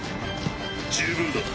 十分だ。